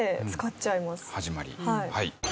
はい。